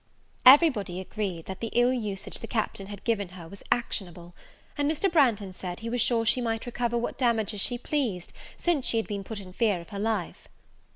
Every body agreed, that the ill usage the Captain had given her was actionable; and Mr. Branghton said, he was sure she might recover what damages she pleased, since she had been put in fear of her life.